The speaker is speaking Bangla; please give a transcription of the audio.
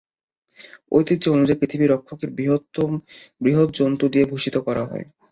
ঐতিহ্য অনুযায়ী পৃথিবীর রক্ষকদের বৃহৎ জন্তু দিয়ে ভূষিত করা হয়।